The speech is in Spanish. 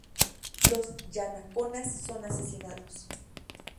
Los yanaconas son asesinados.